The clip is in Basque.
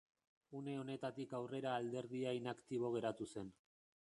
Une honetatik aurrera alderdia inaktibo geratu zen.